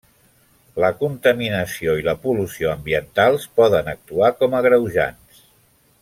La contaminació i la pol·lució ambientals poden actuar com agreujants.